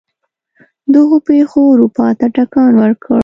دغو پېښو اروپا ته ټکان ورکړ.